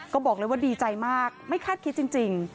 ก็บอกเลยว่าดีใจมากไม่คาดคิดจริง